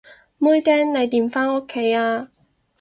妹釘，你點返屋企啊？